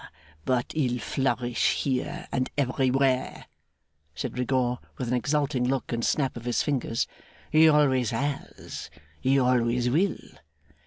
But he'll flourish here, and everywhere,' said Rigaud, with an exulting look and snap of his fingers. 'He always has; he always will!